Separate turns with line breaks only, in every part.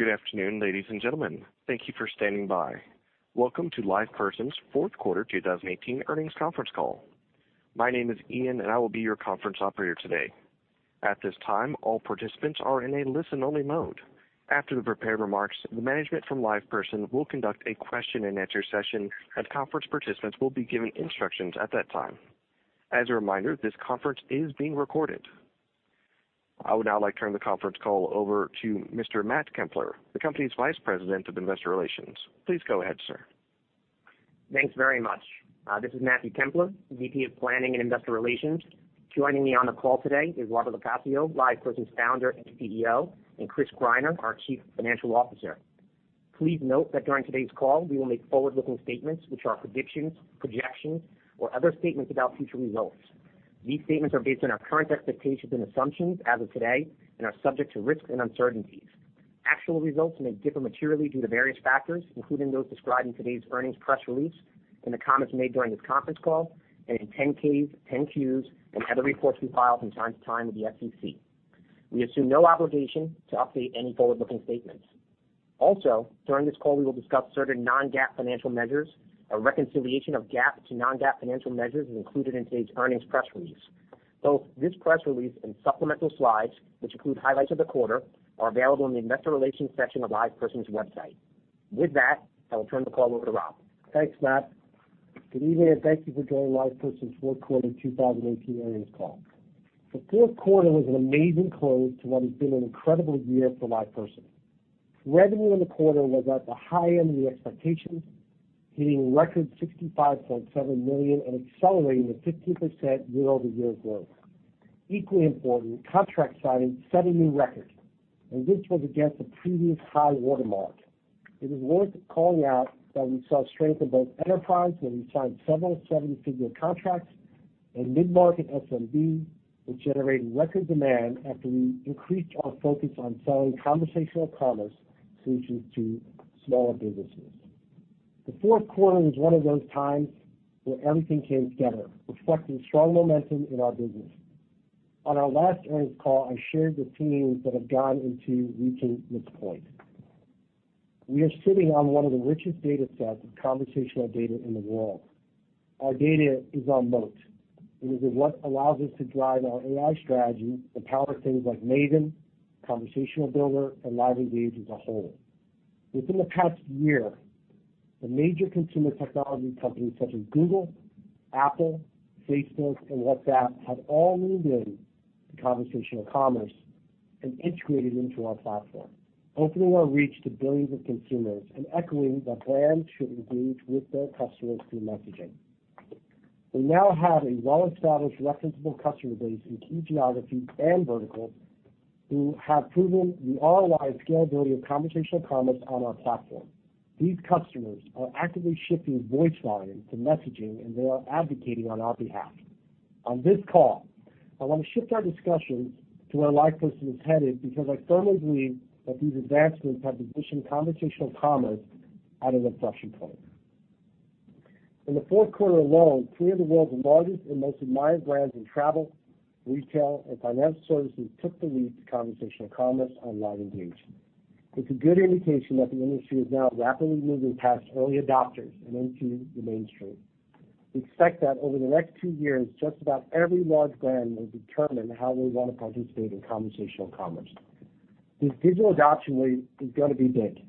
Good afternoon, ladies and gentlemen. Thank you for standing by. Welcome to LivePerson's fourth quarter 2018 earnings conference call. My name is Ian and I will be your conference operator today. At this time, all participants are in a listen-only mode. After the prepared remarks, the management from LivePerson will conduct a question and answer session and conference participants will be given instructions at that time. As a reminder, this conference is being recorded. I would now like to turn the conference call over to Mr. Matthew Kempler, the company's Vice President of Investor Relations. Please go ahead, sir.
Thanks very much. This is Matthew Kempler, VP of Planning and Investor Relations. Joining me on the call today is Robert LoCascio, LivePerson's founder and CEO, and Chris Greiner, our Chief Financial Officer. Please note that during today's call, we will make forward-looking statements, which are predictions, projections, or other statements about future results. These statements are based on our current expectations and assumptions as of today and are subject to risks and uncertainties. Actual results may differ materially due to various factors, including those described in today's earnings press release and the comments made during this conference call, and in 10-Ks, 10-Qs, and other reports we file from time to time with the SEC. We assume no obligation to update any forward-looking statements. During this call we will discuss certain non-GAAP financial measures. A reconciliation of GAAP to non-GAAP financial measures is included in today's earnings press release. Both this press release and supplemental slides, which include highlights of the quarter, are available in the investor relations section of LivePerson's website. With that, I will turn the call over to Rob.
Thanks, Matt. Good evening, thank you for joining LivePerson's fourth quarter 2018 earnings call. The fourth quarter was an amazing close to what has been an incredible year for LivePerson. Revenue in the quarter was at the high end of the expectations, hitting a record $65.7 million and accelerating with 15% year-over-year growth. Equally important, contract signings set a new record, and this was against a previous high watermark. It is worth calling out that we saw strength in both enterprise, where we signed several seven-figure contracts, and mid-market SMB, which generated record demand after we increased our focus on selling conversational commerce solutions to smaller businesses. The fourth quarter was one of those times where everything came together, reflecting strong momentum in our business. On our last earnings call, I shared the themes that have gone into reaching this point. We are sitting on one of the richest data sets of conversational data in the world. Our data is our moat, it is what allows us to drive our AI strategy to power things like Maven, Conversation Builder, and LiveEngage as a whole. Within the past year, the major consumer technology companies such as Google, Apple, Facebook, and WhatsApp have all leaned into conversational commerce integrated into our platform, opening our reach to billions of consumers echoing that brands should engage with their customers through messaging. We now have a well-established referenceable customer base in key geographies and verticals who have proven the ROI scalability of conversational commerce on our platform. These customers are actively shifting voice volume to messaging, they are advocating on our behalf. On this call, I want to shift our discussions to where LivePerson is headed because I firmly believe that these advancements have positioned conversational commerce at an inflection point. In the fourth quarter alone, three of the world's largest and most admired brands in travel, retail, and financial services took the leap to conversational commerce on LiveEngage. It's a good indication that the industry is now rapidly moving past early adopters and into the mainstream. We expect that over the next two years, just about every large brand will determine how they want to participate in conversational commerce. This digital adoption rate is going to be big,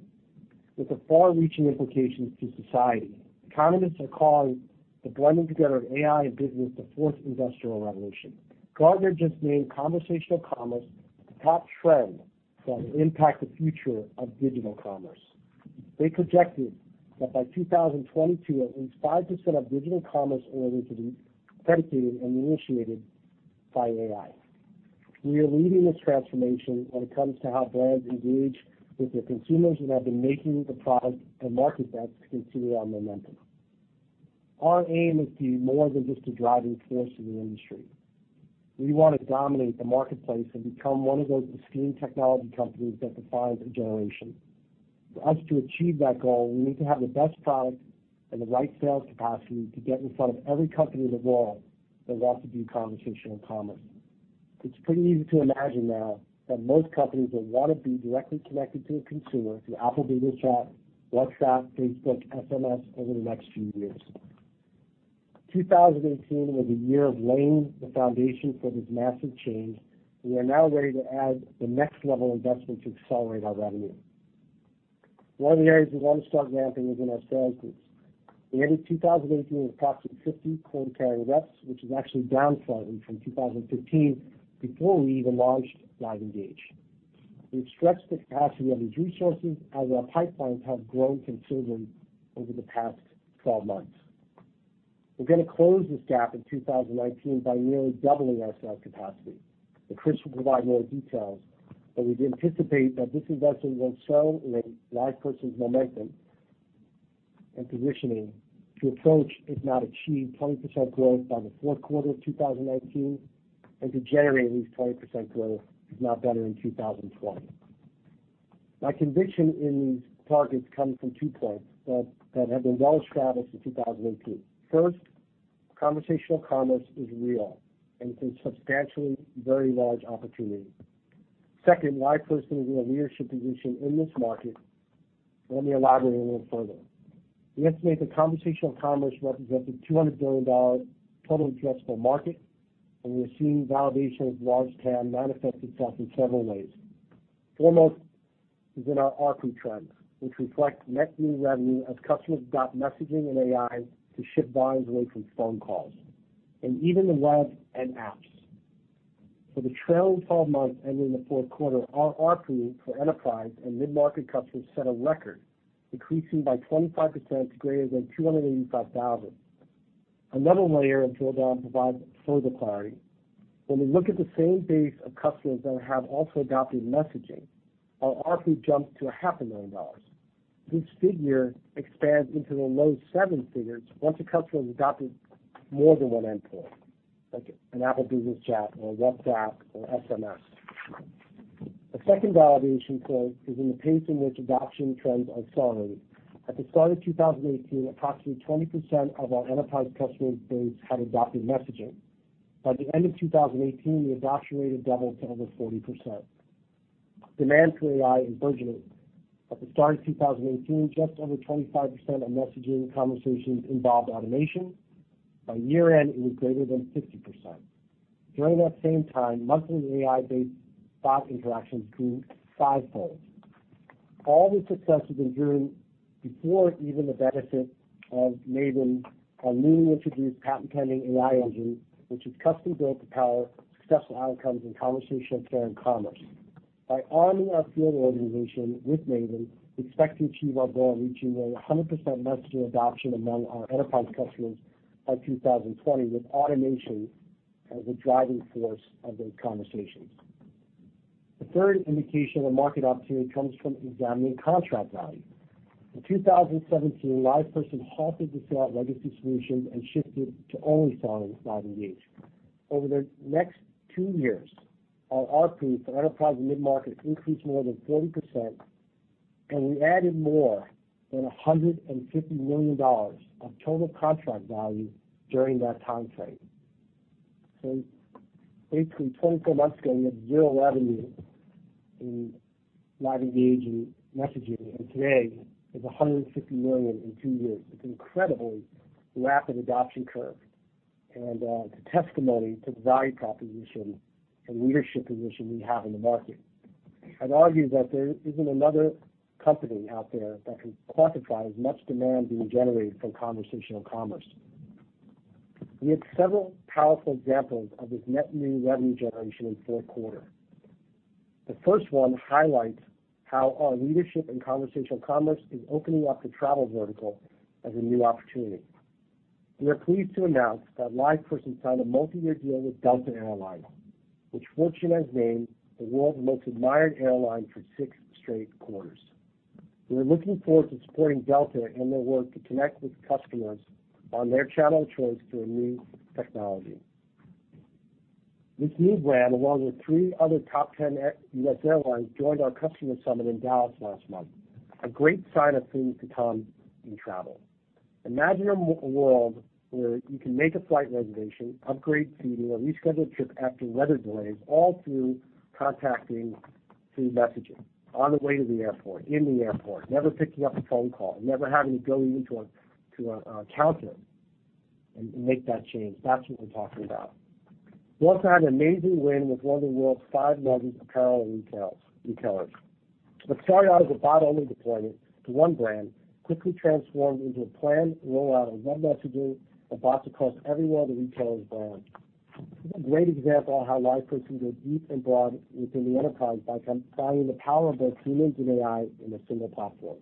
with the far reaching implications to society. Economists are calling the blending together of AI and business the fourth industrial revolution. Gartner just named conversational commerce the top trend that will impact the future of digital commerce. They projected that by 2022, at least 5% of digital commerce orders will be predicated initiated by AI. We are leading this transformation when it comes to how brands engage with their consumers have been making the product and market bets to continue our momentum. Our aim is to be more than just a driving force in the industry. We want to dominate the marketplace become one of those esteemed technology companies that defines a generation. For us to achieve that goal, we need to have the best product the right sales capacity to get in front of every company in the world that wants to do conversational commerce. It's pretty easy to imagine now that most companies will want to be directly connected to a consumer through Apple Business Chat, WhatsApp, Facebook, SMS over the next few years. 2018 was a year of laying the foundation for this massive change. We are now ready to add the next level investments to accelerate our revenue. One of the areas we want to start ramping is in our sales teams. We ended 2018 with approximately 50 quota-carrying reps, which is actually down slightly from 2015 before we even launched LiveEngage. We've stretched the capacity of these resources as our pipelines have grown considerably over the past 12 months. We're going to close this gap in 2019 by nearly doubling our sales capacity, Chris will provide more details, we anticipate that this investment will accelerate LivePerson's momentum positioning to approach, if not achieve, 20% growth by the fourth quarter of 2019, to generate at least 20% growth if not better in 2020. My conviction in these targets comes from two points that have been well established in 2018. First, conversational commerce is real and it's a substantially very large opportunity. Second, LivePerson is in a leadership position in this market. Let me elaborate a little further. We estimate that conversational commerce represents a $200 billion total addressable market, and we are seeing validation of large TAM manifest itself in several ways. Foremost is in our ARPU trends, which reflect net new revenue as customers adopt messaging and AI to shift volumes away from phone calls, and even the web and apps. For the trailing 12 months ending in the fourth quarter, our ARPU for enterprise and mid-market customers set a record, increasing by 25% to greater than $285,000. Another layer of drill-down provides further clarity. When we look at the same base of customers that have also adopted messaging, our ARPU jumps to $500,000. This figure expands into the low seven figures once a customer has adopted more than one endpoint, like an Apple Business Chat or WhatsApp or SMS. A second validation point is in the pace in which adoption trends accelerated. At the start of 2018, approximately 20% of our enterprise customer base had adopted messaging. By the end of 2018, the adoption rate had doubled to over 40%. Demand for AI is burgeoning. At the start of 2018, just over 25% of messaging conversations involved automation. By year-end, it was greater than 50%. During that same time, monthly AI-based bot interactions grew fivefold. All this success we've been hearing before even the benefit of Maven, our newly introduced patent-pending AI engine, which is custom-built to power successful outcomes in conversation, care, and commerce. By arming our field organization with Maven, we expect to achieve our goal of reaching a 100% messaging adoption among our enterprise customers by 2020, with automation as the driving force of those conversations. The third indication of the market opportunity comes from examining contract value. In 2017, LivePerson halted the sale of legacy solutions and shifted to only selling LiveEngage. Over the next two years, our ARPU for enterprise and mid-market increased more than 40%, and we added more than $150 million of total contract value during that time frame. Basically, 24 months ago, we had zero revenue in LiveEngage and messaging, and today it's $150 million in two years. It's incredibly rapid adoption curve and a testimony to the value proposition and leadership position we have in the market. I'd argue that there isn't another company out there that can quantify as much demand being generated from conversational commerce. We had several powerful examples of this net new revenue generation in the fourth quarter. The first one highlights how our leadership in conversational commerce is opening up the travel vertical as a new opportunity. We are pleased to announce that LivePerson signed a multi-year deal with Delta Air Lines, which Fortune has named the world's most admired airline for six straight quarters. We are looking forward to supporting Delta in their work to connect with customers on their channel of choice through a new technology. This new brand, along with three other top 10 U.S. airlines, joined our customer summit in Dallas last month, a great sign of things to come in travel. Imagine a world where you can make a flight reservation, upgrade seating, or reschedule a trip after weather delays, all through contacting through messaging on the way to the airport, in the airport, never picking up a phone call, never having to go into a counter and make that change. That's what we're talking about. We also had a major win with one of the world's five largest apparel retailers. What started out as a bot-only deployment to one brand quickly transformed into a planned rollout of web messaging and bots across every one of the retailer's brands. This is a great example of how LivePerson goes deep and broad within the enterprise by combining the power of both humans and AI in a single platform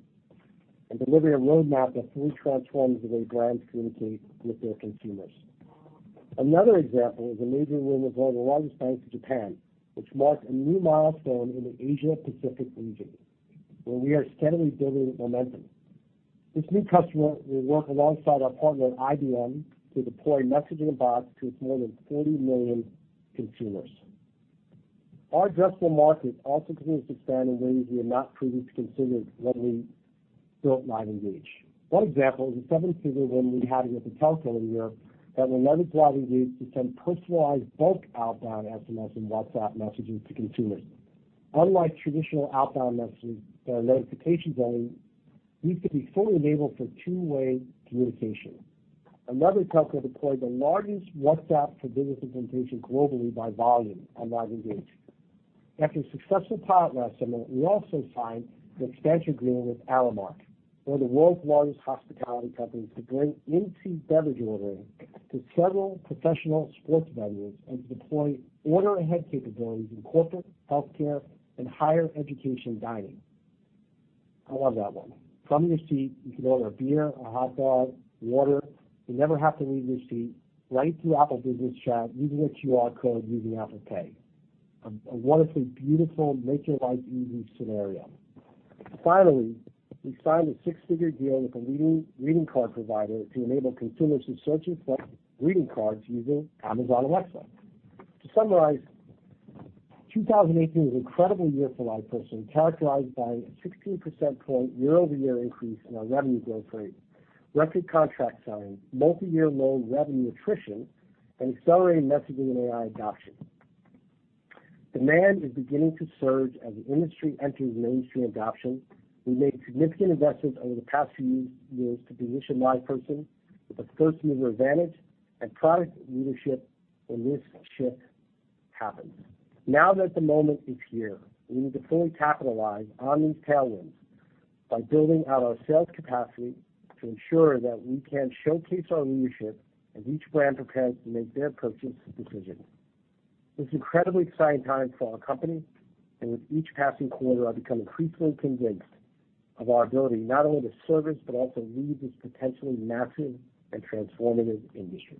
and delivering a roadmap that fully transforms the way brands communicate with their consumers. Another example is a major win with one of the largest banks in Japan, which marks a new milestone in the Asia-Pacific region, where we are steadily building momentum. This new customer will work alongside our partner, IBM, to deploy messaging and bots to its more than 40 million consumers. Our addressable market also continues to expand in ways we had not previously considered when we built LiveEngage. One example is a seven-figure win we had with a telco earlier that will leverage LiveEngage to send personalized bulk outbound SMS and WhatsApp messages to consumers. Unlike traditional outbound message notifications only, these can be fully enabled for two-way communication. Another telco deployed the largest WhatsApp Business implementation globally by volume on LiveEngage. After a successful pilot last summer, we also signed an expansion deal with Aramark, one of the world's largest hospitality companies, to bring in-seat beverage ordering to several professional sports venues and to deploy order-ahead capabilities in corporate, healthcare, and higher education dining. I love that one. From your seat, you can order a beer, a hot dog, water. You never have to leave your seat, right through Apple Business Chat using a QR code using Apple Pay. A wonderfully beautiful make-your-life-easy scenario. Finally, we signed a six-figure deal with a leading greeting card provider to enable consumers to search and select greeting cards using Amazon Alexa. To summarize, 2018 was an incredible year for LivePerson, characterized by a 16 percentage point year-over-year increase in our revenue growth rate, record contract signings, multi-year low revenue attrition, and accelerated messaging and AI adoption. Demand is beginning to surge as the industry enters mainstream adoption. We made significant investments over the past few years to position LivePerson with a first-mover advantage and product leadership when this shift happens. Now that the moment is here, we need to fully capitalize on these tailwinds by building out our sales capacity to ensure that we can showcase our leadership as each brand prepares to make their purchase decision. It's an incredibly exciting time for our company, and with each passing quarter, I become increasingly convinced of our ability not only to service but also lead this potentially massive and transformative industry.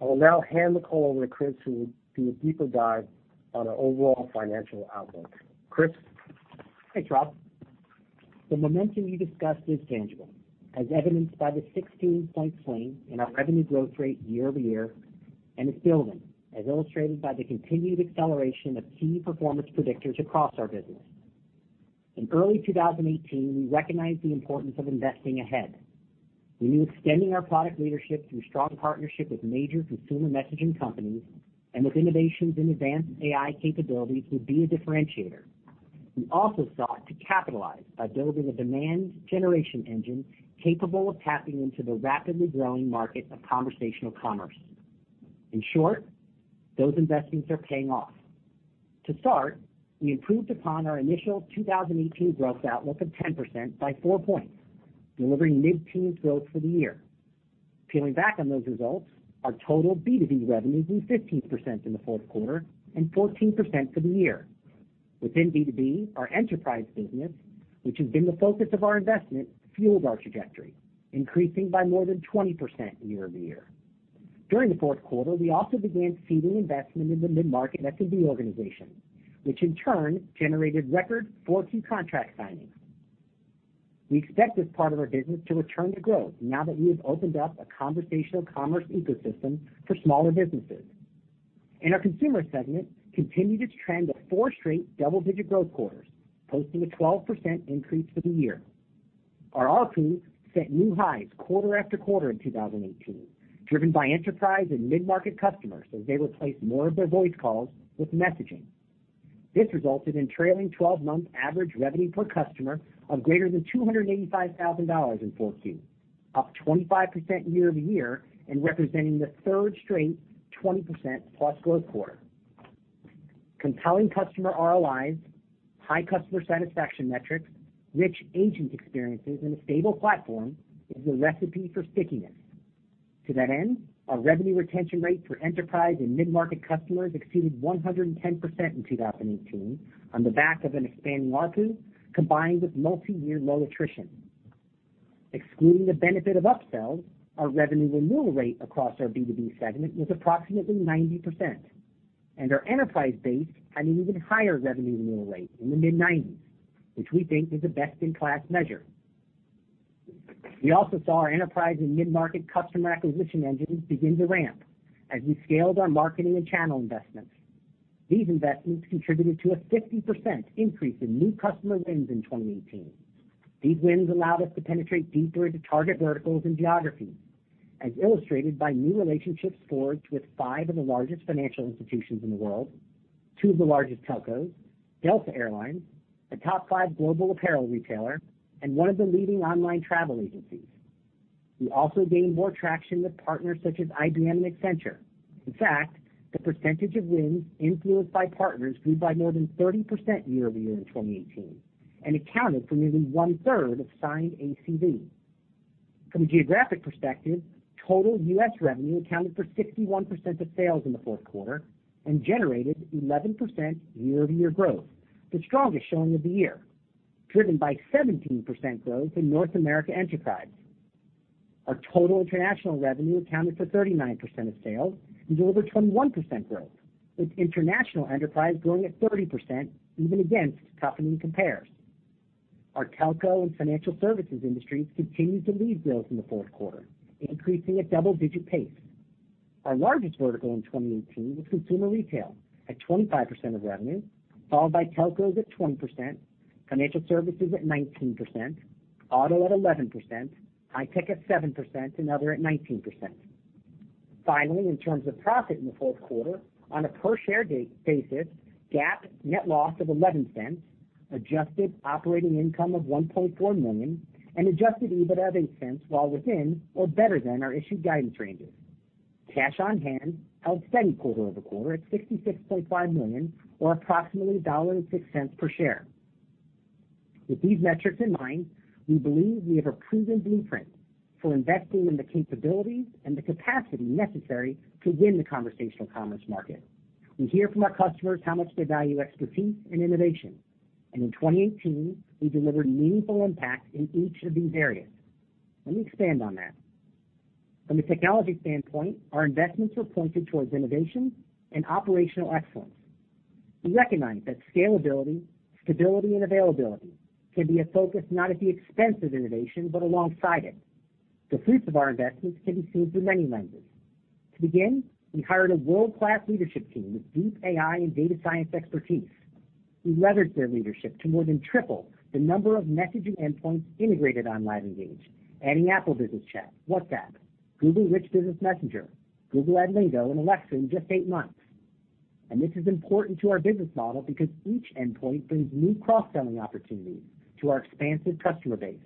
I will now hand the call over to Chris, who will do a deeper dive on our overall financial outlook. Chris?
Thanks, Rob. The momentum you discussed is tangible, as evidenced by the 16-point swing in our revenue growth rate year-over-year, and it's building, as illustrated by the continued acceleration of key performance predictors across our business. In early 2018, we recognized the importance of investing ahead. We knew extending our product leadership through strong partnership with major consumer messaging companies and with innovations in advanced AI capabilities would be a differentiator. We also sought to capitalize by building a demand generation engine capable of tapping into the rapidly growing market of conversational commerce. In short, those investments are paying off. To start, we improved upon our initial 2018 growth outlook of 10% by four points, delivering mid-teens growth for the year. Peeling back on those results, our total B2B revenues were 15% in the fourth quarter and 14% for the year. Within B2B, our enterprise business, which has been the focus of our investment, fueled our trajectory, increasing by more than 20% year-over-year. During the fourth quarter, we also began seeding investment in the mid-market SMB organization, which in turn generated record 4Q contract signings. We expect this part of our business to return to growth now that we have opened up a conversational commerce ecosystem for smaller businesses. Our consumer segment continued its trend of four straight double-digit growth quarters, posting a 12% increase for the year. Our ARPU set new highs quarter after quarter in 2018, driven by enterprise and mid-market customers as they replaced more of their voice calls with messaging. This resulted in trailing 12-month average revenue per customer of greater than $285,000 in 4Q, up 25% year-over-year and representing the third straight 20% plus growth quarter. Compelling customer ROIs, high customer satisfaction metrics, rich agent experiences, and a stable platform is a recipe for stickiness. To that end, our revenue retention rate for enterprise and mid-market customers exceeded 110% in 2018 on the back of an expanding ARPU combined with multi-year low attrition. Excluding the benefit of upsells, our revenue renewal rate across our B2B segment was approximately 90%, and our enterprise base had an even higher revenue renewal rate in the mid-90s, which we think is a best-in-class measure. We also saw our enterprise and mid-market customer acquisition engines begin to ramp as we scaled our marketing and channel investments. These investments contributed to a 50% increase in new customer wins in 2018. These wins allowed us to penetrate deeper into target verticals and geographies, as illustrated by new relationships forged with five of the largest financial institutions in the world, two of the largest telcos, Delta Air Lines, a top five global apparel retailer, and one of the leading online travel agencies. We also gained more traction with partners such as IBM and Accenture. In fact, the percentage of wins influenced by partners grew by more than 30% year-over-year in 2018 and accounted for nearly one-third of signed ACV. From a geographic perspective, total U.S. revenue accounted for 61% of sales in the fourth quarter and generated 11% year-over-year growth, the strongest showing of the year, driven by 17% growth in North America enterprise. Our total international revenue accounted for 39% of sales and delivered 21% growth, with international enterprise growing at 30%, even against toughening compares. Our telco and financial services industries continued to lead growth in the fourth quarter, increasing at double-digit pace. Our largest vertical in 2018 was consumer retail at 25% of revenue, followed by telcos at 20%, financial services at 19%, auto at 11%, high-tech at 7%, and other at 19%. Finally, in terms of profit in the fourth quarter, on a per-share basis, GAAP net loss of $0.11, adjusted operating income of $1.4 million, and adjusted EBITDA of $0.08 while within or better than our issued guidance ranges. Cash on hand held steady quarter-over-quarter at $66.5 million or approximately $1.06 per share. With these metrics in mind, we believe we have a proven blueprint for investing in the capabilities and the capacity necessary to win the conversational commerce market. We hear from our customers how much they value expertise and innovation. In 2018, we delivered meaningful impact in each of these areas. Let me expand on that. From a technology standpoint, our investments were pointed towards innovation and operational excellence. We recognize that scalability, stability, and availability can be a focus not at the expense of innovation, but alongside it. The fruits of our investments can be seen through many lenses. To begin, we hired a world-class leadership team with deep AI and data science expertise, who leveraged their leadership to more than triple the number of messaging endpoints integrated on LiveEngage, adding Apple Business Chat, WhatsApp, Google Rich Business Messaging, Google AdLingo, and Alexa in just eight months. This is important to our business model because each endpoint brings new cross-selling opportunities to our expansive customer base.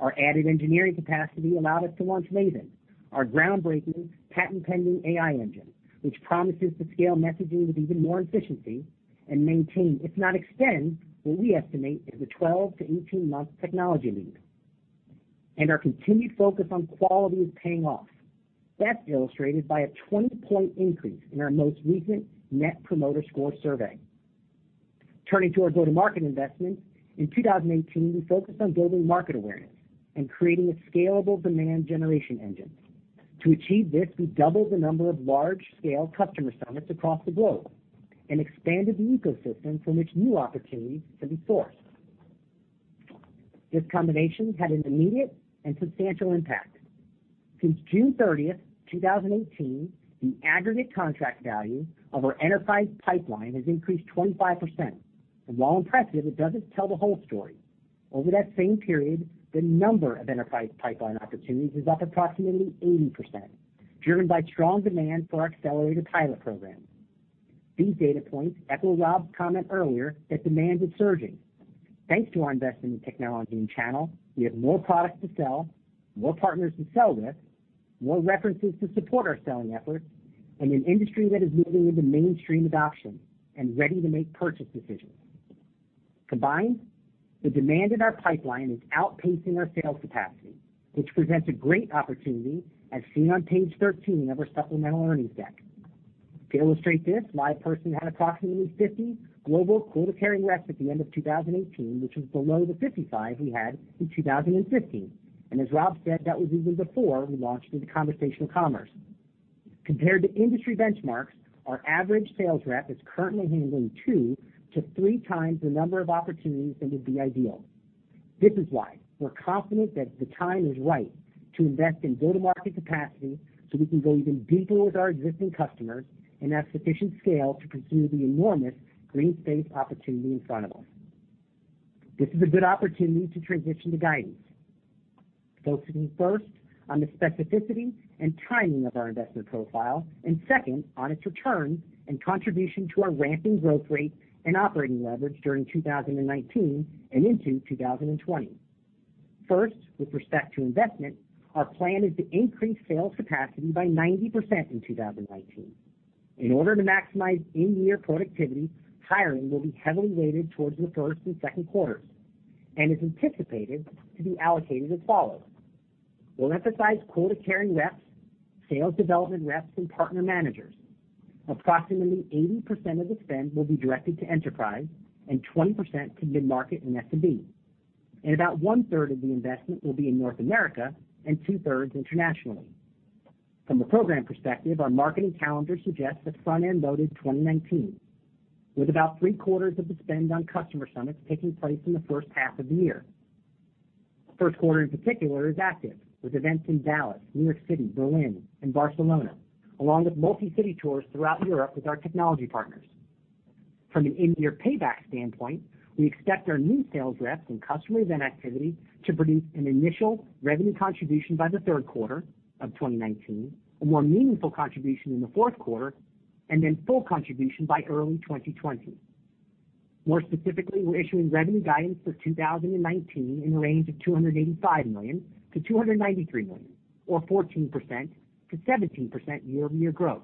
Our added engineering capacity allowed us to launch Maven, our groundbreaking patent-pending AI engine, which promises to scale messaging with even more efficiency and maintain, if not extend, what we estimate is a 12-18-month technology lead. Our continued focus on quality is paying off. That's illustrated by a 20-point increase in our most recent Net Promoter Score survey. Turning to our go-to-market investments, in 2018, we focused on building market awareness and creating a scalable demand generation engine. To achieve this, we doubled the number of large-scale customer summits across the globe and expanded the ecosystem from which new opportunities can be sourced. This combination had an immediate and substantial impact. Since June 30th, 2018, the aggregate contract value of our enterprise pipeline has increased 25%. While impressive, it doesn't tell the whole story. Over that same period, the number of enterprise pipeline opportunities is up approximately 80%, driven by strong demand for our accelerated pilot program. These data points echo Rob's comment earlier that demand is surging. Thanks to our investment in technology and channel, we have more products to sell, more partners to sell with, more references to support our selling efforts, and an industry that is moving into mainstream adoption and ready to make purchase decisions. Combined, the demand in our pipeline is outpacing our sales capacity, which presents a great opportunity as seen on page 13 of our supplemental earnings deck. To illustrate this, LivePerson had approximately 50 global quota-carrying reps at the end of 2018, which was below the 55 we had in 2015. As Rob said, that was even before we launched into conversational commerce. Compared to industry benchmarks, our average sales rep is currently handling two to three times the number of opportunities than would be ideal. This is why we're confident that the time is right to invest in go-to-market capacity so we can go even deeper with our existing customers and have sufficient scale to pursue the enormous green space opportunity in front of us. This is a good opportunity to transition to guidance, focusing first on the specificity and timing of our investment profile, and second on its return and contribution to our ramping growth rate and operating leverage during 2019 and into 2020. First, with respect to investment, our plan is to increase sales capacity by 90% in 2019. In order to maximize in-year productivity, hiring will be heavily weighted towards the first and second quarters and is anticipated to be allocated as follows. We'll emphasize quota-carrying reps, sales development reps, and partner managers. Approximately 80% of the spend will be directed to enterprise and 20% to mid-market and SMB. About one-third of the investment will be in North America and 2/3 internationally. From a program perspective, our marketing calendar suggests that front-end loaded 2019, with about three-quarters of the spend on customer summits taking place in the first half of the year. First quarter in particular is active, with events in Dallas, New York City, Berlin, and Barcelona, along with multi-city tours throughout Europe with our technology partners. From an in-year payback standpoint, we expect our new sales reps and customer event activity to produce an initial revenue contribution by the third quarter of 2019, a more meaningful contribution in the fourth quarter, and then full contribution by early 2020. More specifically, we're issuing revenue guidance for 2019 in the range of $285 million-$293 million or 14%-17% year-over-year growth.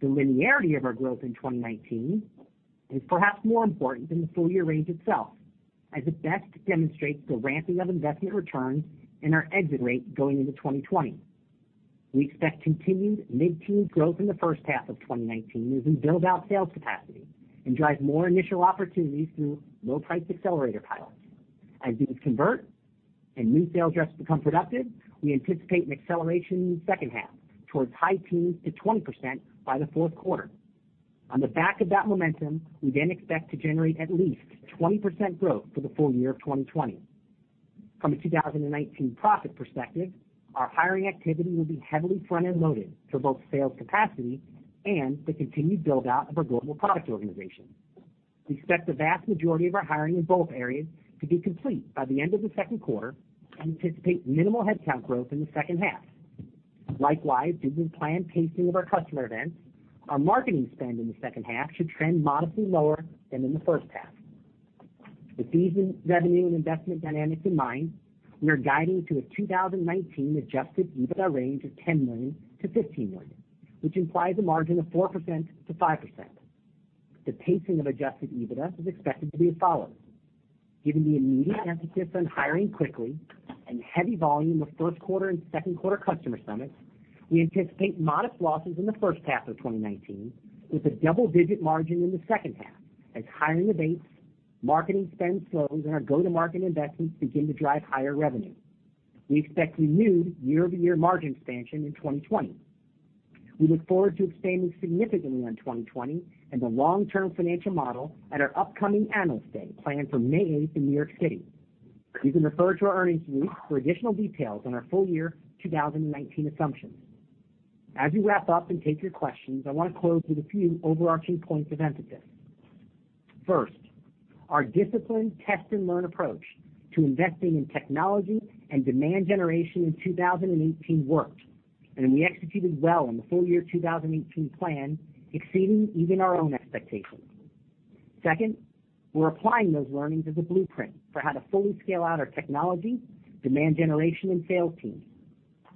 The linearity of our growth in 2019 is perhaps more important than the full-year range itself, as it best demonstrates the ramping of investment returns and our exit rate going into 2020. We expect continued mid-teen growth in the first half of 2019 as we build out sales capacity and drive more initial opportunities through low-priced accelerator pilots. As these convert and new sales reps become productive, we anticipate an acceleration in the second half towards high teens to 20% by the fourth quarter. On the back of that momentum, we expect to generate at least 20% growth for the full year of 2020. From a 2019 profit perspective, our hiring activity will be heavily front-end loaded for both sales capacity and the continued build-out of our global product organization. We expect the vast majority of our hiring in both areas to be complete by the end of the second quarter and anticipate minimal headcount growth in the second half. Likewise, due to the planned pacing of our customer events, our marketing spend in the second half should trend modestly lower than in the first half. With these revenue and investment dynamics in mind, we are guiding to a 2019 adjusted EBITDA range of $10 million-$15 million, which implies a margin of 4%-5%. The pacing of adjusted EBITDA is expected to be as follows. Given the immediate emphasis on hiring quickly and heavy volume of first quarter and second quarter customer summits, we anticipate modest losses in the first half of 2019 with a double-digit margin in the second half as hiring abates, marketing spend slows, and our go-to-market investments begin to drive higher revenue. We expect renewed year-over-year margin expansion in 2020. We look forward to expanding significantly on 2020 and the long-term financial model at our upcoming Analyst Day, planned for May 8th in New York City. You can refer to our earnings release for additional details on our full-year 2019 assumptions. As we wrap up and take your questions, I want to close with a few overarching points of emphasis. First, our disciplined test-and-learn approach to investing in technology and demand generation in 2018 worked, and we executed well on the full-year 2018 plan, exceeding even our own expectations. Second, we're applying those learnings as a blueprint for how to fully scale out our technology, demand generation, and sales teams.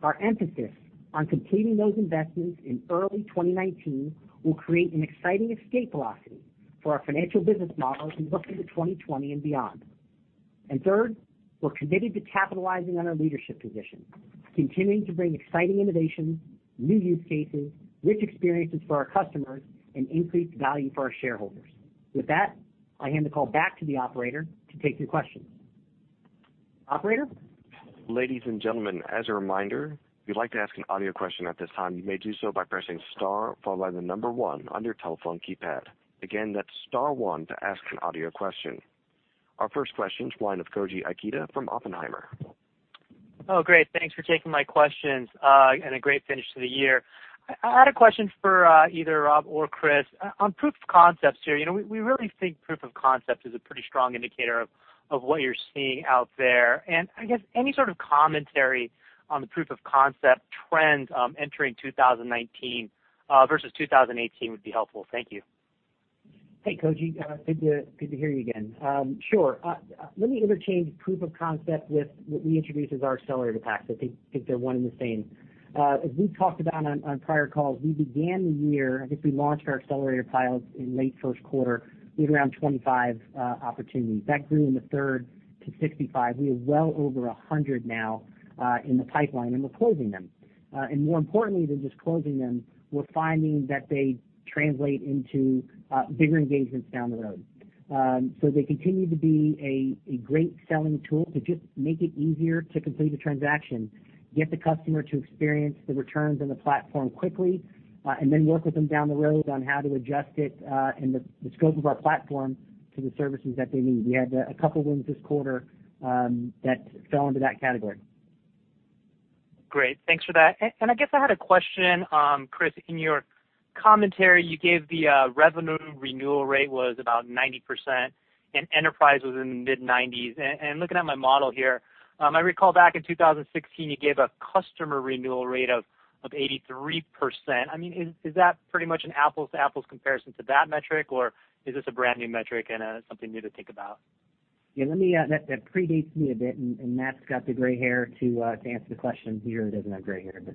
Our emphasis on completing those investments in early 2019 will create an exciting escape velocity for our financial business model as we look into 2020 and beyond. Third, we're committed to capitalizing on our leadership position, continuing to bring exciting innovations, new use cases, rich experiences for our customers, and increased value for our shareholders. With that, I hand the call back to the operator to take your questions. Operator?
Ladies and gentlemen, as a reminder, if you'd like to ask an audio question at this time, you may do so by pressing star followed by the number one on your telephone keypad. Again, that's star one to ask an audio question. Our first question is the line of Koji Ikeda from Oppenheimer.
Oh, great. Thanks for taking my questions and a great finish to the year. I had a question for either Rob or Chris on proof of concepts here. We really think proof of concept is a pretty strong indicator of what you're seeing out there. I guess any sort of commentary on the proof of concept trends entering 2019 versus 2018 would be helpful. Thank you.
Hey, Koji. Good to hear you again. Sure. Let me interchange proof of concept with what we introduce as our accelerator packs. I think they're one and the same. As we've talked about on prior calls, we began the year, I think we launched our accelerator trials in late first quarter with around 25 opportunities. That grew in the third to 65. We have well over 100 now in the pipeline, and we're closing them. More importantly than just closing them, we're finding that they translate into bigger engagements down the road. They continue to be a great selling tool to just make it easier to complete a transaction, get the customer to experience the returns on the platform quickly, and then work with them down the road on how to adjust it and the scope of our platform to the services that they need. We had a couple wins this quarter that fell into that category.
Great. Thanks for that. I guess I had a question, Chris. In your commentary, you gave the revenue renewal rate was about 90%, and enterprise was in the mid-90s. Looking at my model here, I recall back in 2016, you gave a customer renewal rate of 83%. Is that pretty much an apples-to-apples comparison to that metric, or is this a brand-new metric and something new to think about?
Yeah, that predates me a bit, and Matt's got the gray hair to answer the question. He really doesn't have gray hair, but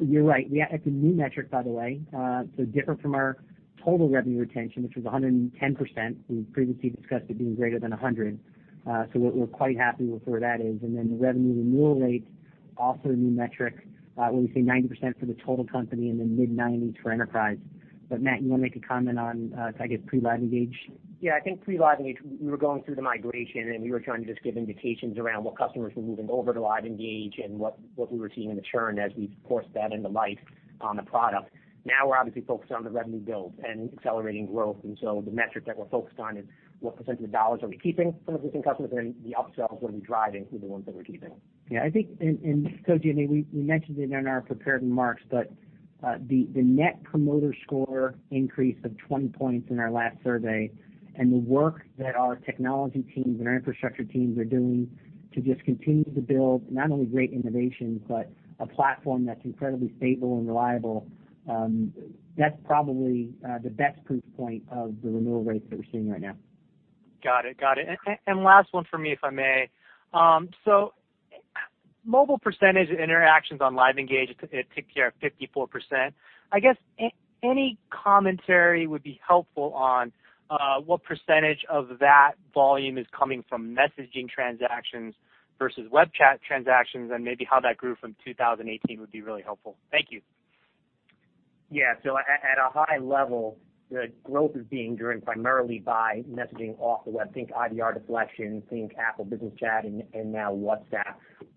you're right. It's a new metric, by the way, so different from our total revenue retention, which was 110%. We previously discussed it being greater than 100, so we're quite happy with where that is. The revenue renewal rate, also a new metric. When we say 90% for the total company and then mid-90s for enterprise. Matt, you want to make a comment on, I guess, pre-LiveEngage?
Yeah, I think pre-LiveEngage, we were going through the migration, and we were trying to just give indications around what customers were moving over to LiveEngage and what we were seeing in the churn as we forced that into life on the product. Now we're obviously focused on the revenue build and accelerating growth, and so the metric that we're focused on is what percentage of dollars are we keeping from existing customers and the upsells that we drive include the ones that we're keeping.
Yeah, I think, and Koji, I know we mentioned it in our prepared remarks, but the Net Promoter Score increase of 20 points in our last survey and the work that our technology teams and our infrastructure teams are doing to just continue to build not only great innovations but a platform that's incredibly stable and reliable, that's probably the best proof point of the renewal rates that we're seeing right now.
Got it. Last one for me, if I may. Mobile percentage of interactions on LiveEngage, it ticked here at 54%. I guess any commentary would be helpful on what percentage of that volume is coming from messaging transactions versus web chat transactions, and maybe how that grew from 2018 would be really helpful. Thank you.
Yeah. At a high level, the growth is being driven primarily by messaging off the web. Think IVR deflection, think Apple Business Chat, and now WhatsApp.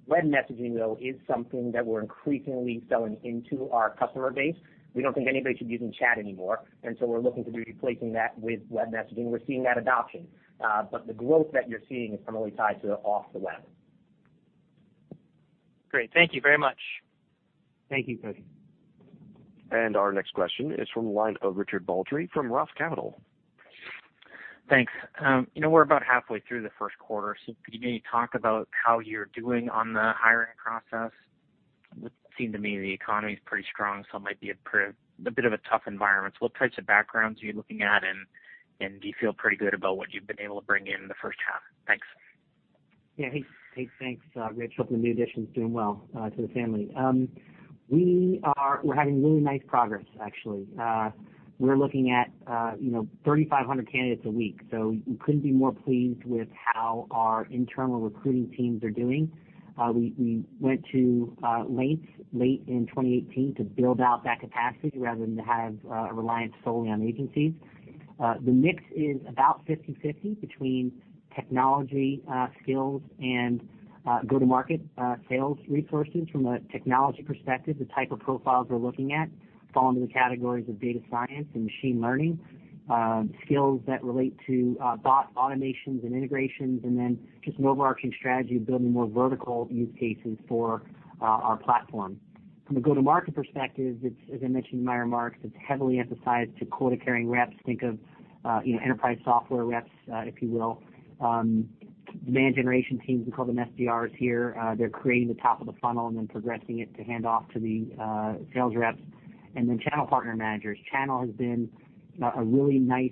Web messaging, though, is something that we're increasingly selling into our customer base. We don't think anybody should be using chat anymore, we're looking to be replacing that with web messaging. We're seeing that adoption. The growth that you're seeing is primarily tied to off the web.
Great. Thank you very much.
Thank you, Koji.
Our next question is from the line of Richard Baldry from ROTH Capital.
Thanks. We're about halfway through the first quarter. Can you maybe talk about how you're doing on the hiring process? It would seem to me the economy's pretty strong, so it might be a bit of a tough environment. What types of backgrounds are you looking at, and do you feel pretty good about what you've been able to bring in the first half? Thanks.
Yeah. Hey, thanks, Rich. Hope the new addition's doing well to the family. We're having really nice progress, actually. We're looking at 3,500 candidates a week, so we couldn't be more pleased with how our internal recruiting teams are doing. We went to lengths late in 2018 to build out that capacity rather than to have a reliance solely on agencies. The mix is about 50/50 between technology skills and go-to-market sales resources. From a technology perspective, the type of profiles we're looking at fall into the categories of data science and machine learning, skills that relate to bot automations and integrations, and then just an overarching strategy of building more vertical use cases for our platform. From a go-to-market perspective, as I mentioned in my remarks, it's heavily emphasized to quota-carrying reps. Think of enterprise software reps, if you will. Demand generation teams, we call them SDRs here. They're creating the top of the funnel and then progressing it to hand off to the sales reps, and then channel partner managers. Channel has been a really nice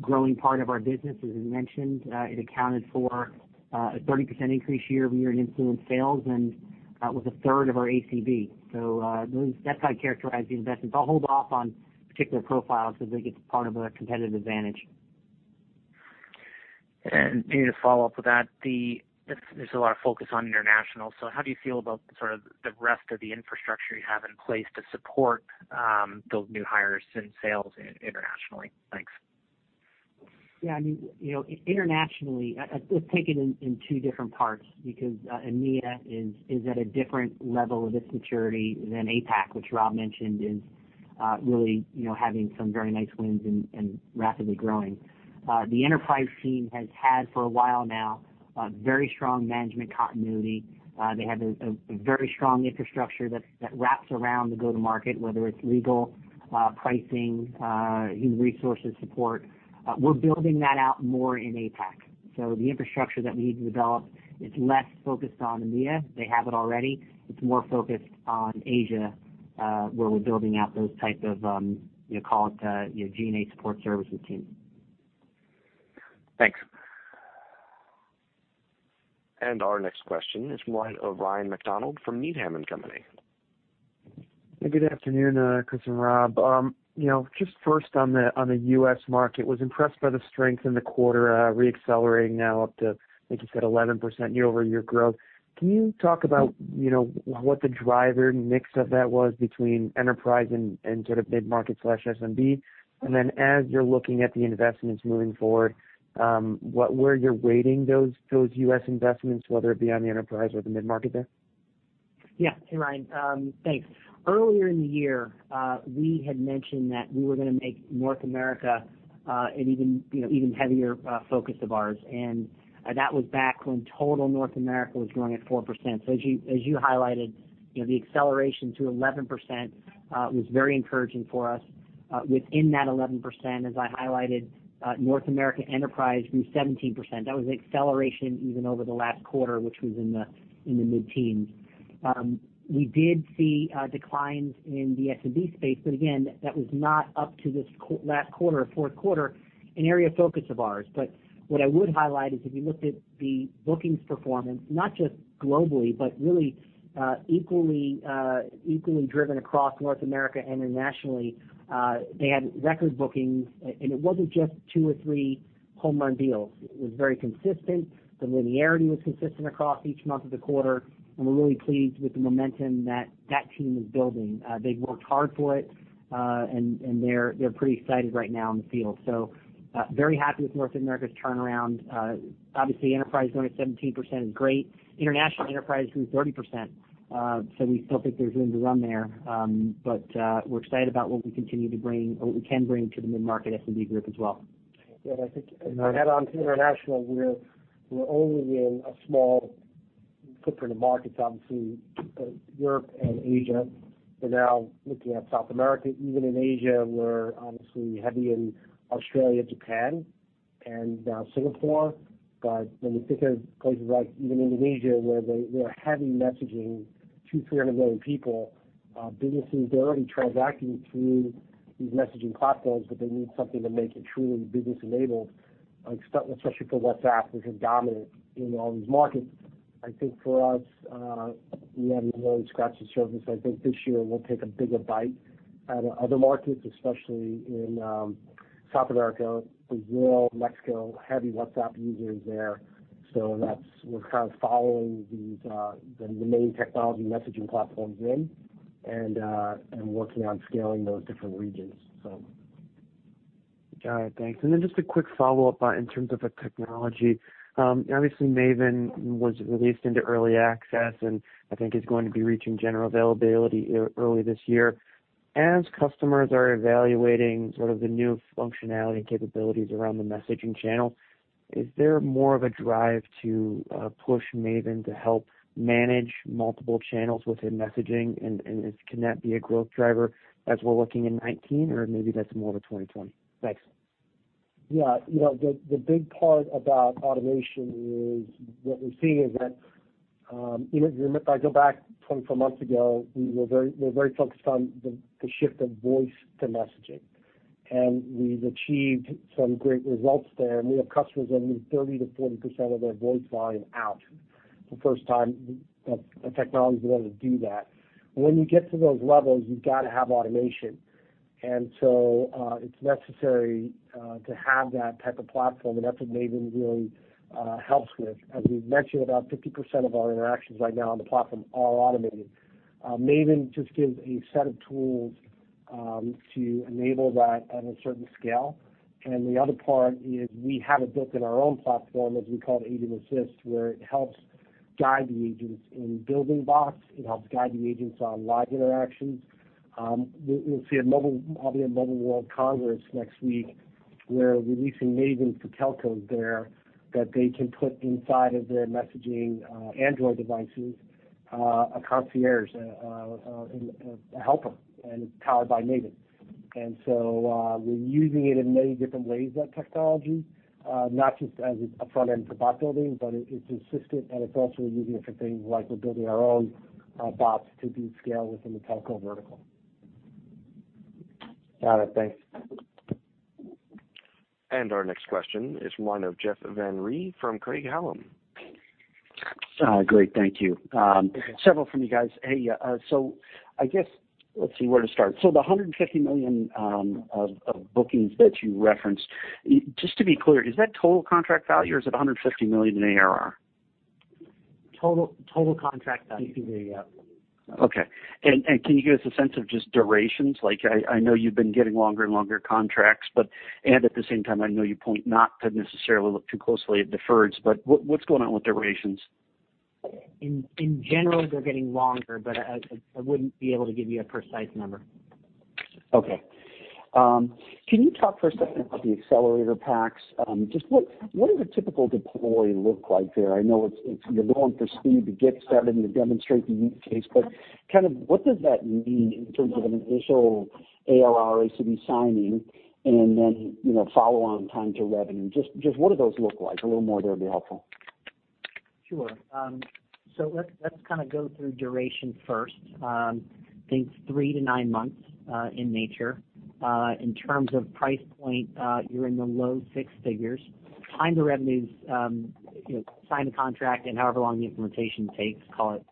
growing part of our business. As we mentioned, it accounted for a 30% increase year-over-year in influence sales and was a third of our ACV. That's how I'd characterize the investments. I'll hold off on particular profiles because I think it's part of a competitive advantage.
Maybe to follow up with that, there's a lot of focus on international. How do you feel about the rest of the infrastructure you have in place to support those new hires in sales internationally? Thanks.
Yeah, internationally, let's take it in two different parts because EMEA is at a different level of its maturity than APAC, which Rob mentioned is really having some very nice wins and rapidly growing. The enterprise team has had for a while now, very strong management continuity. They have a very strong infrastructure that wraps around the go-to-market, whether it's legal, pricing, human resources support. We're building that out more in APAC. The infrastructure that we need to develop is less focused on EMEA. They have it already. It's more focused on Asia, where we're building out those type of call it G&A support services team.
Thanks.
Our next question is from Ryan MacDonald from Needham & Company.
Good afternoon, Chris and Rob. Just first on the U.S. market, was impressed by the strength in the quarter, re-accelerating now up to, I think you said 11% year-over-year growth. Can you talk about what the driver mix of that was between enterprise and sort of mid-market/SMB? As you're looking at the investments moving forward, where you're weighting those U.S. investments, whether it be on the enterprise or the mid-market there?
Yeah. Hey, Ryan. Thanks. Earlier in the year, we had mentioned that we were going to make North America an even heavier focus of ours, and that was back when total North America was growing at 4%. As you highlighted, the acceleration to 11% was very encouraging for us. Within that 11%, as I highlighted, North America enterprise grew 17%. That was an acceleration even over the last quarter, which was in the mid-teens. We did see declines in the SMB space, again, that was not up to this last quarter or fourth quarter, an area of focus of ours. What I would highlight is if you looked at the bookings performance, not just globally, but really equally driven across North America internationally, they had record bookings, and it wasn't just two or three home run deals. It was very consistent. The linearity was consistent across each month of the quarter. We're really pleased with the momentum that that team is building. They've worked hard for it, and they're pretty excited right now in the field. Very happy with North America's turnaround. Obviously, enterprise growing at 17% is great. International enterprise grew 30%. We still think there's room to run there, but we're excited about what we can bring to the mid-market SMB group as well.
Yeah, I think.
Go ahead.
On international, we're only in a small footprint of markets, obviously, Europe and Asia. We're now looking at South America. Even in Asia, we're obviously heavy in Australia, Japan, and now Singapore. When you think of places like even Indonesia, where they are heavy messaging, 200, 300 million people, businesses, they're already transacting through these messaging platforms, but they need something to make it truly business enabled, especially for WhatsApp, which is dominant in all these markets. I think for us, we haven't really scratched the surface. I think this year we'll take a bigger bite out of other markets, especially in South America, Brazil, Mexico, heavy WhatsApp users there. We're kind of following the main technology messaging platforms in and working on scaling those different regions.
Got it, thanks. Just a quick follow-up in terms of the technology. Obviously Maven was released into early access, and I think is going to be reaching general availability early this year. As customers are evaluating sort of the new functionality and capabilities around the messaging channel, is there more of a drive to push Maven to help manage multiple channels within messaging? Can that be a growth driver as we're looking in 2019, or maybe that's more of a 2020? Thanks.
Yeah. The big part about automation is what we're seeing is that, if I go back 24 months ago, we're very focused on the shift of voice to messaging. We've achieved some great results there, and we have customers that move 30%-40% of their voice volume out for the first time that the technology was able to do that. When you get to those levels, you've got to have automation. It's necessary to have that type of platform, and that's what Maven really helps with. As we've mentioned, about 50% of our interactions right now on the platform are automated. Maven just gives a set of tools to enable that on a certain scale. The other part is we have it built in our own platform, as we call it Conversation Assist, where it helps guide the agents in building bots. It helps guide the agents on live interactions. You'll see at Mobile World Congress next week, we're releasing Maven for telcos there that they can put inside of their messaging Android devices, a concierge, a helper, and it's powered by Maven. We're using it in many different ways, that technology, not just as a front end for bot building, but it's assistant and it's also using it for things like we're building our own bots to do scale within the telco vertical.
Got it. Thanks.
Our next question is one of Jeff Van Rhee from Craig-Hallum.
Great. Thank you. Several from you guys. Hey, I guess, let's see where to start. The $150 million of bookings that you referenced, just to be clear, is that total contract value, or is it $150 million in ARR?
Total contract value. Yeah.
Okay. Can you give us a sense of just durations? I know you've been getting longer and longer contracts. At the same time, I know you point not to necessarily look too closely at deferreds, but what's going on with durations?
In general, they're getting longer, I wouldn't be able to give you a precise number.
Okay. Can you talk for a second about the accelerator packs? Just what does a typical deploy look like there? I know you're going for speed to get set and to demonstrate the use case, what does that mean in terms of an initial ARR, ACV signing and then follow-on time to revenue? Just what do those look like? A little more there would be helpful.
Sure. Let's go through duration first. Think three to nine months in nature. In terms of price point, you're in the low six figures. Time to revenues, sign a contract, however long the implementation takes, call it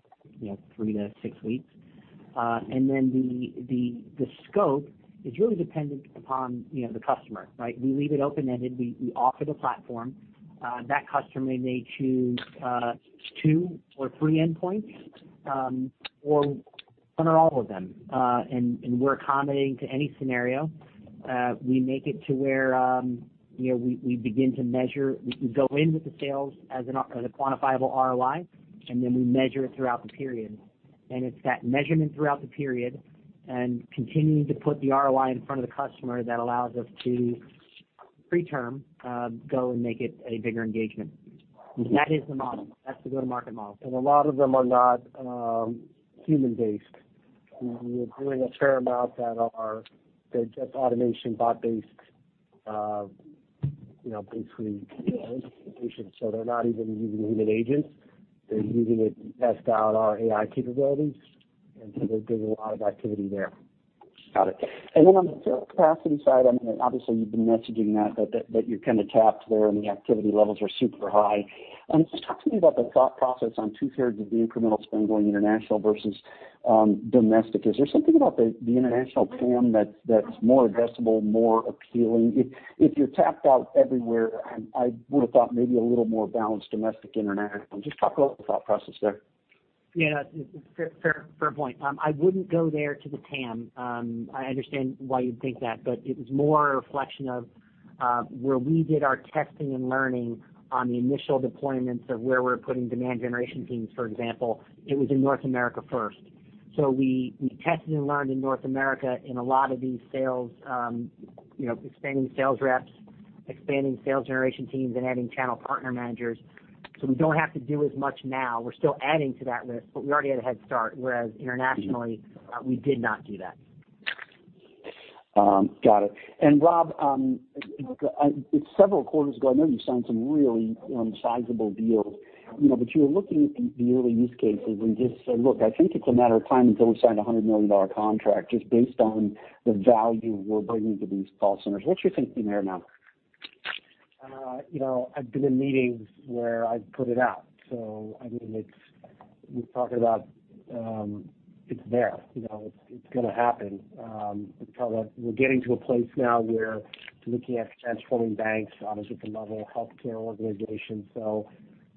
three to six weeks. The scope is really dependent upon the customer, right? We leave it open-ended. We offer the platform. That customer may choose two or three endpoints, or all of them. We're accommodating to any scenario. We make it to where we begin to measure. We go in with the sales as a quantifiable ROI, we measure it throughout the period. It's that measurement throughout the period and continuing to put the ROI in front of the customer that allows us to, pre-term, go and make it a bigger engagement. That is the model. That's the go-to-market model. A lot of them are not human-based. We're doing a fair amount that are just automation, bot-based, basically so they're not even using human agents. They're using it to test out our AI capabilities. There's a lot of activity there.
Got it. On the sales capacity side, obviously you've been messaging that you're tapped there and the activity levels are super high. Just talk to me about the thought process on two-thirds of the incremental spend going international versus domestic. Is there something about the international TAM that's more addressable, more appealing? If you're tapped out everywhere, I would have thought maybe a little more balanced domestic, international? Just talk about the thought process there.
Yeah. Fair point. I wouldn't go there to the TAM. I understand why you'd think that, but it was more a reflection of where we did our testing and learning on the initial deployments of where we're putting demand generation teams, for example. It was in North America first. We tested and learned in North America in a lot of these sales, expanding sales reps, expanding sales generation teams, and adding channel partner managers. We don't have to do as much now. We're still adding to that list, but we already had a head start, whereas internationally, we did not do that.
Got it. Rob, several quarters ago, I know you signed some really sizable deals. You were looking at the early use cases and just said, "Look, I think it's a matter of time until we sign a $100 million contract just based on the value we're bringing to these call centers." What's your thinking there now?
I've been in meetings where I've put it out. I mean, we've talked about it's there. It's going to happen. We're getting to a place now where looking at transforming banks, obviously with another healthcare organization.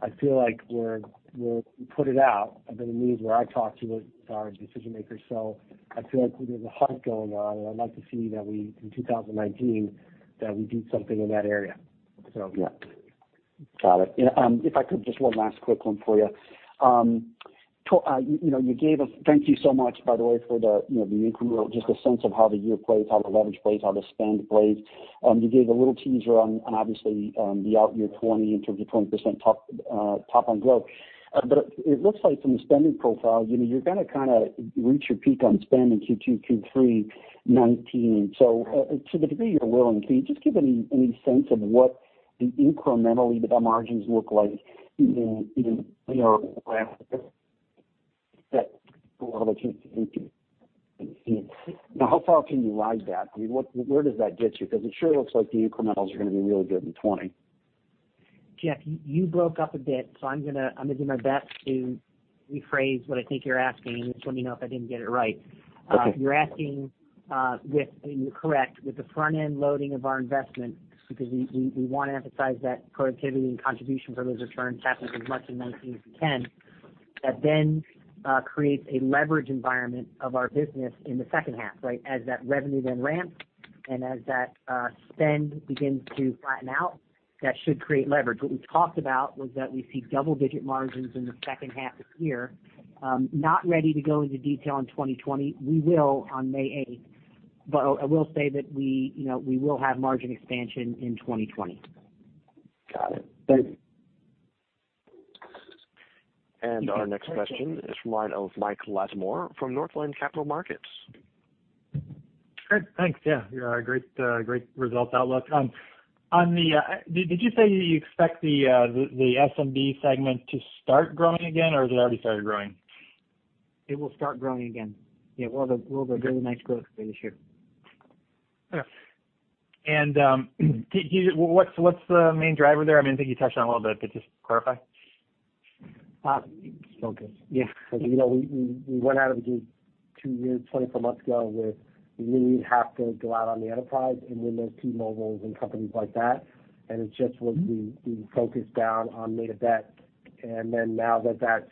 I feel like we've put it out. I've been in meetings where I've talked to decision-makers, so I feel like there's a hunt going on, and I'd like to see that in 2019, that we do something in that area. Yeah.
Got it. If I could, just one last quick one for you. Thank you so much, by the way, for just the sense of how the year played, how the leverage played, how the spend played. You gave a little teaser on, obviously, the out year 2020 in terms of 20% top-line growth. It looks like from the spending profile, you're going to reach your peak on spend in Q2, Q3 2019. To the degree you're willing, can you just give any sense of what incrementally the margins look like in?
That a lot of it.
How far can you ride that? I mean, where does that get you? Because it sure looks like the incrementals are going to be really good in 2020.
Jeff, you broke up a bit. I'm going to do my best to rephrase what I think you're asking, and just let me know if I didn't get it right.
Okay.
You're asking, and you're correct, with the front-end loading of our investment, because we want to emphasize that productivity and contribution for those returns happens as much in 2019 as we can. That creates a leverage environment of our business in the second half, right? As that revenue ramps, and as that spend begins to flatten out, that should create leverage. What we talked about was that we see double-digit margins in the second half of the year. Not ready to go into detail on 2020. We will on May 8th. I will say that we will have margin expansion in 2020.
Got it. Thanks.
Our next question is from line of Michael Latimore from Northland Capital Markets.
Great. Thanks. Yeah. Great results outlook. Did you say that you expect the SMB segment to start growing again, or has it already started growing?
It will start growing again. Yeah, we'll have a really nice growth rate this year.
Fair. What's the main driver there? I think you touched on it a little bit, but just to clarify.
Focus. Yeah. We went out of the gate two years, 24 months ago, with we have to go out on the enterprise and win those T-Mobiles and companies like that focused on made a bet. Now that that's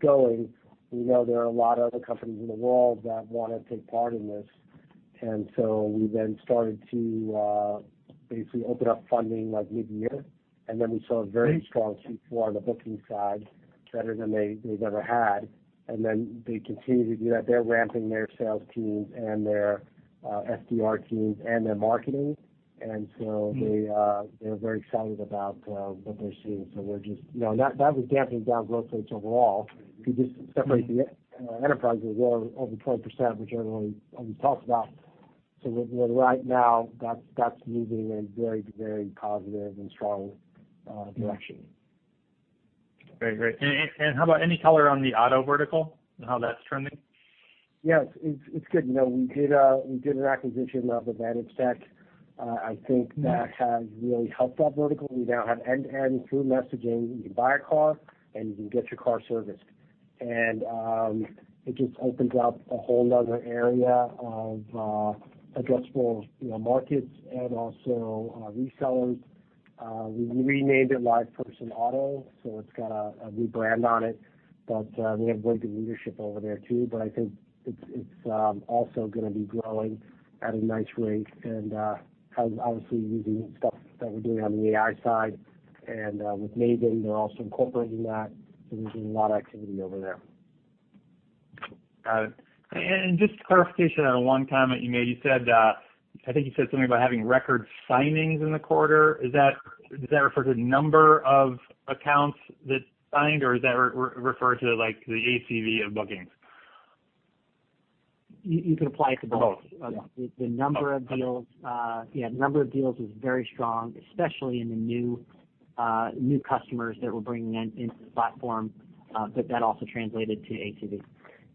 going, we know there are a lot of other companies in the world that want to take part in this. We then started to basically open up funding midyear, we saw a very strong Q4 on the booking side, better than they've ever had. They continue to do that. They're ramping their sales teams and their SDR teams and their marketing. They're very excited about what they're seeing. That was damping down growth rates overall. The enterprise over 20%, which everyone always talks about. Right now, that's moving in a very, very positive and strong direction.
Very great. How about any color on the auto vertical and how that's trending?
Yes, it's good. We did an acquisition of AdvantageTec. I think that has really helped that vertical. We now have end-to-end through messaging. You can buy a car, and you can get your car serviced. It just opens up a whole another area of addressable markets and also resellers. We renamed it LivePerson Automotive, so it's got a rebrand on it. We have great leadership over there, too. I think it's also going to be growing at a nice rate and obviously using stuff that we're doing on the AI side. With Maven, they're also incorporating that. There's a lot of activity over there.
Got it. Just clarification on one comment you made. I think you said something about having record signings in the quarter. Does that refer to the number of accounts that signed, or does that refer to the ACV of bookings?
You can apply it to both.
Both. Yeah.
The number of deals was very strong, especially in the new customers that we're bringing into the platform. That also translated to ACV.
Yeah,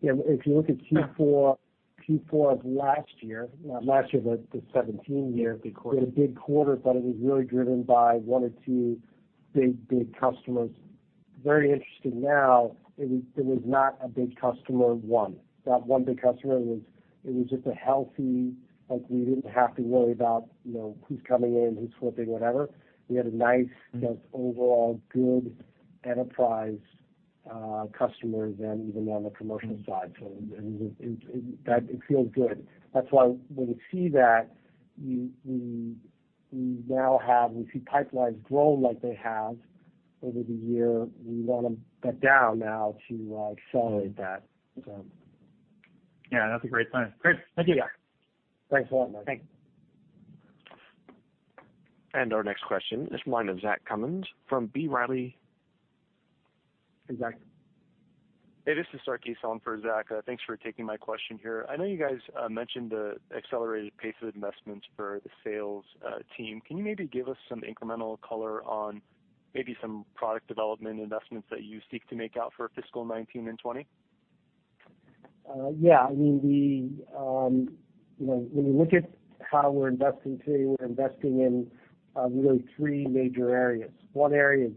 if you look at Q4 of last year, last year, the 2017 year.
Big quarter
It was a big quarter, but it was really driven by one or two big customers. Very interesting now, it was not a big customer one. That one big customer, it was just a healthy, like we didn't have to worry about who's coming in, who's flipping, whatever. We had a nice. Just overall good enterprise customers and even on the commercial side. It feels good. That's why when we see that, we see pipelines grow like they have over the year. We want to bet down now to accelerate that.
That's a great sign. Great. Thank you.
Thanks a lot, Mike.
Thanks.
Our next question is from line of Zack Cummins from B. Riley.
Hey, Zack.
Hey, this is our key phone for Zack. Thanks for taking my question here. I know you guys mentioned the accelerated pace of investments for the sales team. Can you maybe give us some incremental color on maybe some product development investments that you seek to make out for fiscal 2019 and 2020?
Yeah. When you look at how we're investing today, we're investing in really three major areas. One area is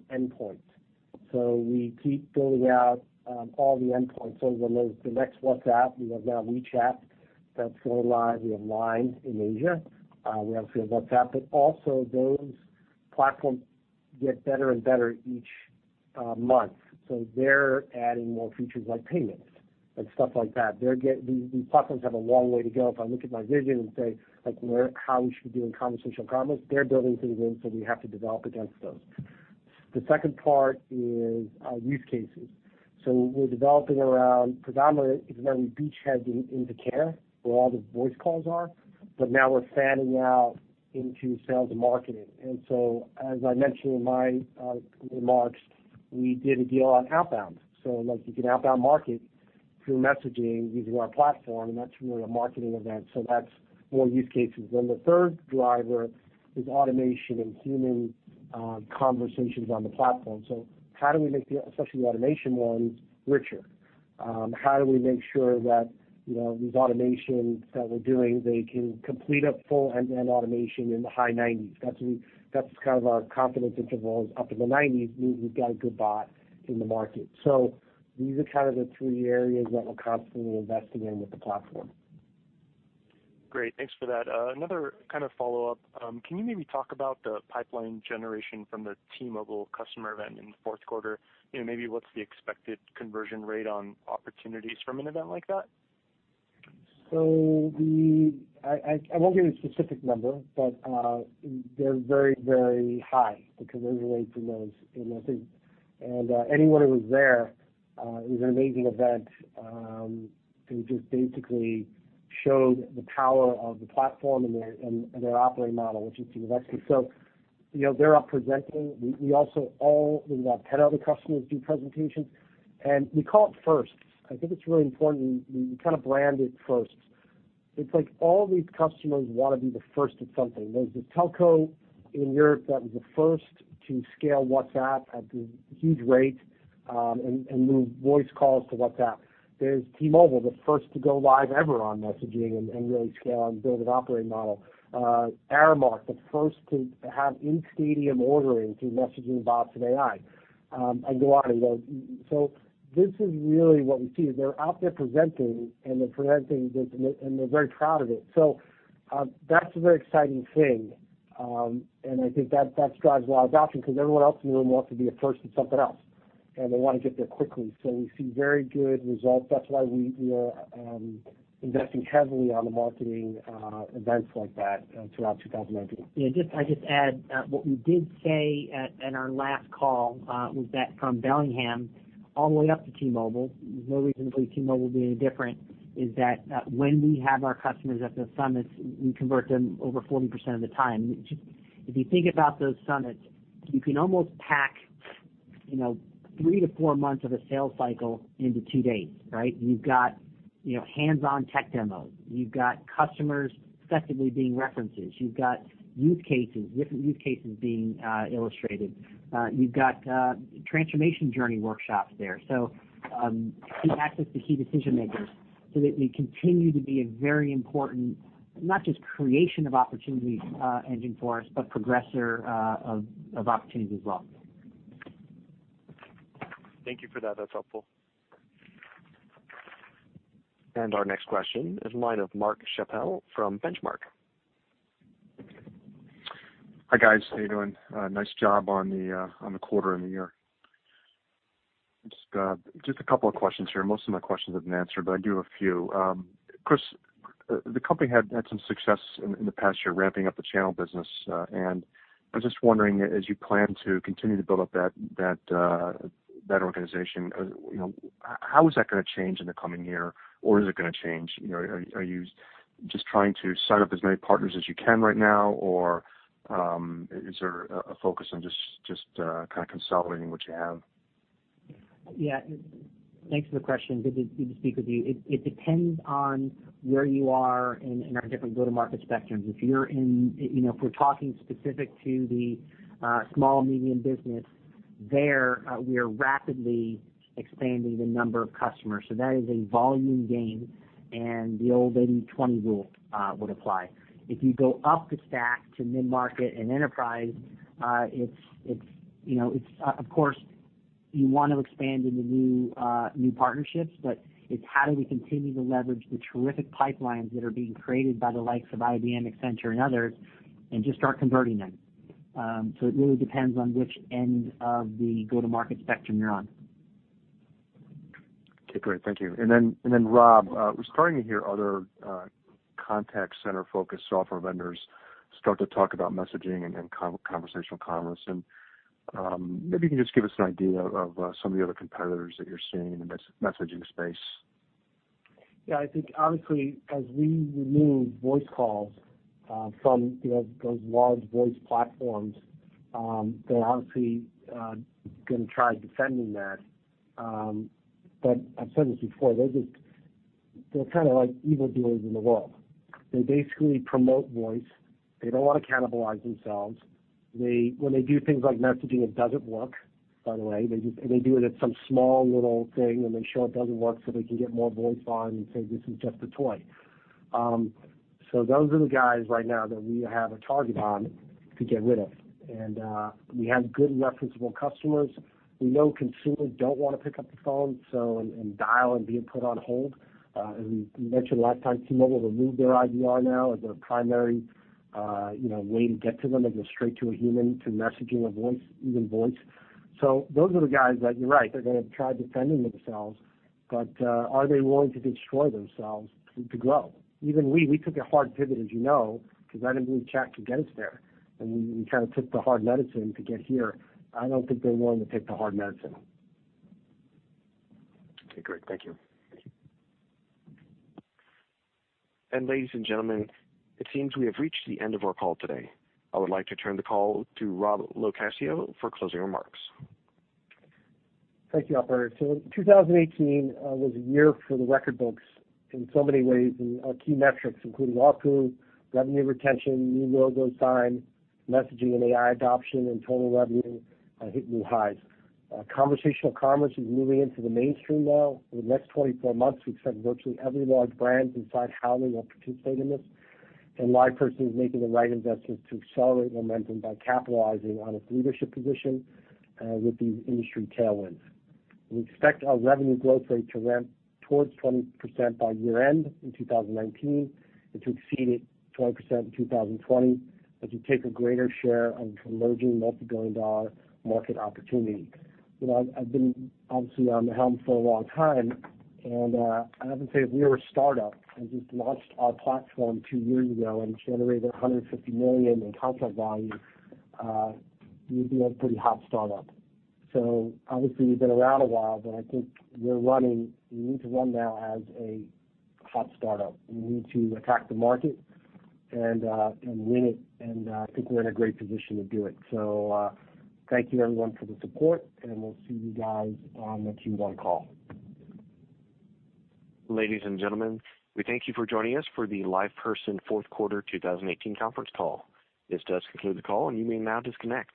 endpoint. We keep building out all the endpoints. The next WhatsApp, we have now WeChat, that's going live. We have Line in Asia. We have a few of WhatsApp. Also, those platforms get better and better each month. They're adding more features like payments and stuff like that. These platforms have a long way to go. If I look at my vision and say, how we should be doing conversational commerce, they're building to the wind, so we have to develop against those. The second part is use cases. We're developing around predominantly, even though we beachhead into care where all the voice calls are, but now we're fanning out into sales and marketing. As I mentioned in my remarks, we did a deal on outbound. Like you can outbound market through messaging using our platform, and that's really a marketing event. That's more use cases. The third driver is automation and human conversations on the platform. How do we make the, especially the automation ones, richer? How do we make sure that these automations that we're doing, they can complete a full end-to-end automation in the high 90s? That's kind of our confidence intervals. Up in the 90s, we've got a good bot in the market. These are kind of the three areas that we're constantly investing in with the platform.
Great. Thanks for that. Another kind of follow-up. Can you maybe talk about the pipeline generation from the T-Mobile customer event in the fourth quarter? Maybe what's the expected conversion rate on opportunities from an event like that?
I won't give a specific number, but they're very, very high because everybody from those in messaging. Anyone who was there, it was an amazing event. They just basically showed the power of the platform and their operating model, which is to invest in. They're out presenting. We also had 10 other customers do presentations, and we call it firsts. I think it's really important we kind of brand it firsts. It's like all these customers want to be the first at something. There's the telco in Europe that was the first to scale WhatsApp at the huge rate, and move voice calls to WhatsApp. There's T-Mobile, the first to go live ever on messaging and really scale and build an operating model. Aramark, the first to have in-stadium ordering through messaging bots and AI. Go on and go. This is really what we see, is they're out there presenting, and they're presenting, and they're very proud of it. That's a very exciting thing. I think that drives a lot of adoption because everyone else in the room wants to be a first at something else, and they want to get there quickly. We see very good results. That's why we are investing heavily on the marketing events like that throughout 2019.
I just add, what we did say at our last call was that from Bellingham all the way up to T-Mobile, there's no reason to believe T-Mobile will be any different, is that when we have our customers at the summits, we convert them over 40% of the time. If you think about those summits, you can almost pack three to four months of a sales cycle into two days, right? You've got hands-on tech demos. You've got customers effectively being references. You've got use cases, different use cases being illustrated. You've got transformation journey workshops there. Key access to key decision-makers so that we continue to be a very important, not just creation of opportunities engine for us, but progressor of opportunities as well.
Thank you for that. That's helpful.
Our next question is a line of Mark Schappel from Benchmark.
Hi, guys. How you doing? Nice job on the quarter and the year. Just a couple of questions here. Most of my questions have been answered, but I do have a few. Chris, the company had some success in the past year ramping up the channel business, and I was just wondering, as you plan to continue to build up that organization, how is that going to change in the coming year? Is it going to change? Are you just trying to sign up as many partners as you can right now, or is there a focus on just kind of consolidating what you have?
Yeah. Thanks for the question. Good to speak with you. It depends on where you are in our different go-to-market spectrums. If we're talking specific to the small-medium business, there, we are rapidly expanding the number of customers. That is a volume game, and the old 80/20 rule would apply. If you go up the stack to mid-market and enterprise, of course, you want to expand into new partnerships, but it's how do we continue to leverage the terrific pipelines that are being created by the likes of IBM, Accenture, and others, and just start converting them. It really depends on which end of the go-to-market spectrum you're on.
Okay, great. Thank you. Rob, we're starting to hear other contact center-focused software vendors start to talk about messaging and conversational commerce, and maybe you can just give us an idea of some of the other competitors that you're seeing in the messaging space.
Yeah, I think honestly, as we remove voice calls from those large voice platforms, they're obviously going to try defending that. I've said this before, they're kind of like evil dealers in the world. They basically promote voice. They don't want to cannibalize themselves. When they do things like messaging, it doesn't work, by the way. They do it at some small little thing, and they show it doesn't work, so they can get more voice on and say, "This is just a toy." Those are the guys right now that we have a target on to get rid of. We have good referenceable customers. We know consumers don't want to pick up the phone, so and dial and being put on hold. As we mentioned last time, T-Mobile removed their IVR now as their primary way to get to them is go straight to a human, to messaging or voice, even voice. Those are the guys that you're right, they're going to try defending themselves, but are they willing to destroy themselves to grow? Even we took a hard pivot, as you know, because I didn't believe chat could get us there, and we kind of took the hard medicine to get here. I don't think they're willing to take the hard medicine.
Okay, great. Thank you.
Ladies and gentlemen, it seems we have reached the end of our call today. I would like to turn the call to Rob LoCascio for closing remarks.
Thank you, operator. 2018 was a year for the record books in so many ways, and our key metrics, including ARPU, revenue retention, new logos signed, messaging and AI adoption, and total revenue hit new highs. Conversational commerce is moving into the mainstream now. Over the next 24 months, we expect virtually every large brand to decide how they want to participate in this, and LivePerson is making the right investments to accelerate momentum by capitalizing on its leadership position with these industry tailwinds. We expect our revenue growth rate to ramp towards 20% by year-end in 2019 and to exceed 20% in 2020 as we take a greater share of the emerging multibillion-dollar market opportunity. I've been obviously on the helm for a long time, and I have to say, if we were a startup and just launched our platform two years ago and generated $150 million in contract value, we'd be a pretty hot startup. Obviously, we've been around a while, but I think we need to run now as a hot startup. We need to attack the market and win it, and I think we're in a great position to do it. Thank you, everyone, for the support, and we'll see you guys on the Q1 call.
Ladies and gentlemen, we thank you for joining us for the LivePerson fourth quarter 2018 conference call. This does conclude the call, and you may now disconnect.